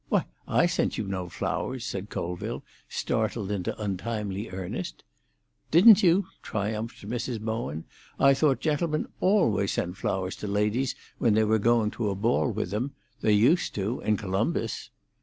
"Why, I sent you no flowers," said Colville, startled into untimely earnest. "Didn't you?" triumphed Mrs. Bowen. "I thought gentlemen always sent flowers to ladies when they were going to a ball with them. They used to, in Columbus."